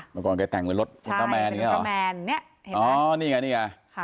เมื่อก่อนเคยแต่งรถอุลตราแมนนี่ค่ะ